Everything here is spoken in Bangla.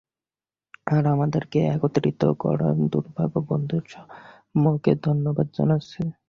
আর আমাদেরকে একত্রিত করায় দুর্ভাগা বন্ধু স্যামকে ধন্যবাদ জানাচ্ছি।